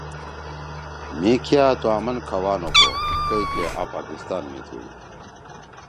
مھی کیا تُو آمن کھوا نہ کو کئی کہ آ پاکستان می تُھو۔